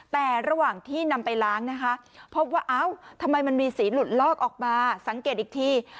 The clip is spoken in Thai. แต่ระหว่างที่นำไปล้างนะคะพบว่าเอ้าทำไมมันมีสีหลุดลอกออกมาสังเกตอีกที